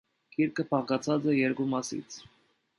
Գիրքը բաղկացած է երկու մասից։